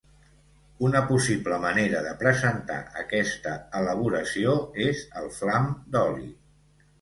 Una possible manera de presentar aquesta elaboració és el flam d’oli.